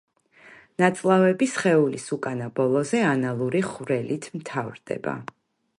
ნაწლავები სხეულის უკანა ბოლოზე ანალური ხვრელით მთავრდება.